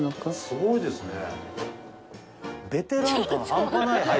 すごいですね。